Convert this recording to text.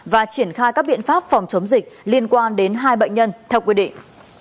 và triển khai các biện pháp phòng chống dịch liên quan đến hai bệnh nhân theo quy định